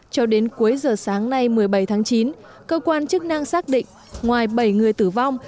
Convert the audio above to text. cho đến cuối giờ sáng nay một mươi bảy tháng chín cơ quan chức năng xác định ngoài bảy người tử vong